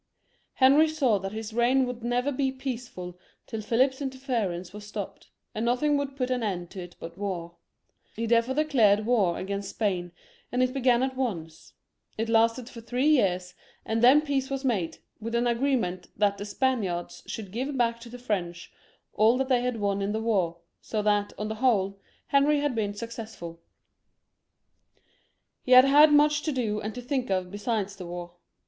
Henry saw that his reign would never be peacefnl till Philip's interference was stopped, and nothing would put an end to it bat war. He therefore declared war against Spain, and it b^an at once; it lasted for three years, and then peace was made, with an agreement that the Spaniards should give back to the French all that they had won in the war, so that, on the whole, Henry had been saccessfdL He had had much to do and to think of besides the war.